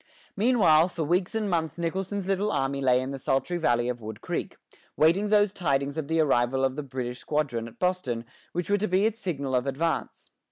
Meanwhile, for weeks and months Nicholson's little army lay in the sultry valley of Wood Creek, waiting those tidings of the arrival of the British squadron at Boston which were to be its signal of advance.